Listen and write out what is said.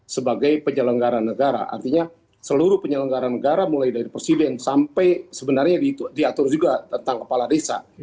sebagai penyelenggara negara artinya seluruh penyelenggara negara mulai dari presiden sampai sebenarnya diatur juga tentang kepala desa